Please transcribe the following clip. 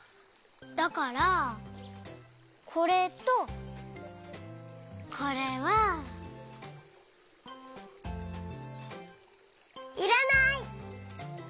だからこれとこれは。いらない！